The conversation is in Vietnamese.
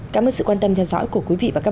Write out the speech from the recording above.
cảm ơn sự quan tâm theo dõi của quý vị và các bạn